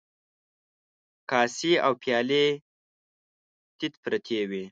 کاسې او پيالې تيت پرتې وې.